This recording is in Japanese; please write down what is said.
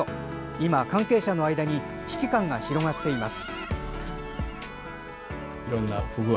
今、関係者の間に危機感が広がっています。